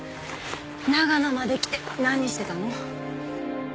長野まで来て何してたの？